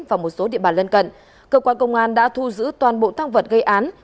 và một số địa bàn lân cận cơ quan công an đã thu giữ toàn bộ thăng vật gây án